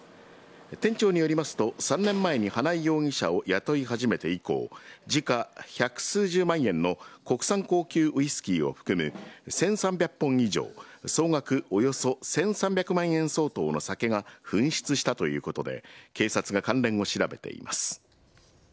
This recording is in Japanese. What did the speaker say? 店長によりますと、３年前に花井容疑者を雇い始めて以降、時価百数十万円の国産高級ウイスキーを含む１３００本以上、総額およそ１３００万円相当の酒が紛失したということで、警察が関連を調べています。